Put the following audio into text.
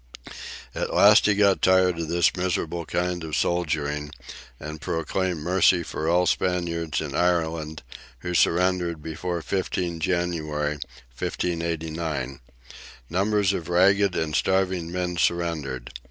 At last he got tired of this miserable kind of "soldiering," and proclaimed mercy for all Spaniards in Ireland who surrendered before 15 January, 1589. Numbers of ragged and starving men surrendered.